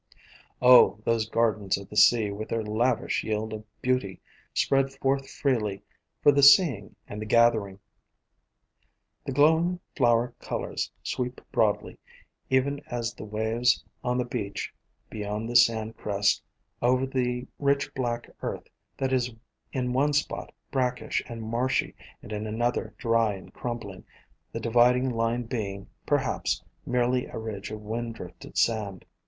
Oh, those Gardens of the Sea with their lavish yield of beauty, spread forth freely for the seeing and the gathering! The glowing flower colors sweep broadly, even as the waves on the beach beyond the sand crest, over the rich black earth that is in one spot brackish and marshy and in another dry and crumbling, the dividing line being, perhaps, merely a ridge of wind drifted sand.